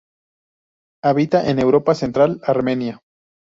Habita en Europa Central, Armenia.